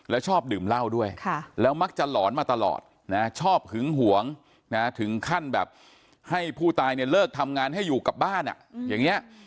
แล้วชอบดื่มเหล้าด้วยแล้วมักจะหลอนมาตลอดนะชอบหึงหวงถึงขั้นแบบให้ผู้ตายเนี่ยเลิกทำงานให้อยู่กับบ้านอย่างนี้